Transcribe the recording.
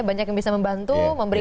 banyak yang bisa membantu